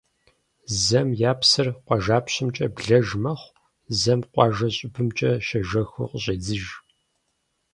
Зэм я псыр къуажапщэмкӀэ блэж мэхъу, зэм къуажэ щӀыбымкӀэ щежэхыу къыщӀедзыж.